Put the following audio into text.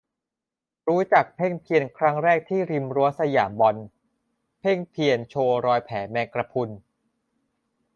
รู้จักเพ่งเพียรครั้งแรกที่ริมรั้วสยามบอล เพ่งเพียรโชว์รอยแผลแมงกระพรุน